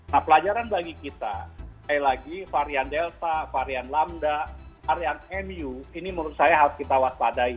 nah pelajaran bagi kita sekali lagi varian delta varian lamda varian mu ini menurut saya harus kita waspadai